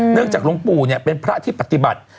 เนื่องจากหลวงปู่เนี่ยเป็นพระที่ปฏิบัติ